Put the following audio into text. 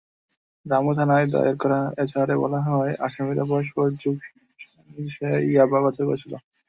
রামু থানায় দায়ের করা এজাহারে বলা হয়, আসামিরা পরস্পর যোগসাজশে ইয়াবা পাচার করছিল।